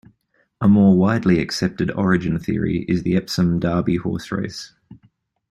A more widely accepted origin theory is the Epsom Derby horse race.